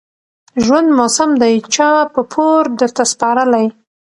ژوند موسم دى چا په پور درته سپارلى